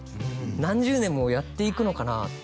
「何十年もやっていくのかな？」